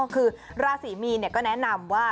คือราศีมีนก็แนะนำว่า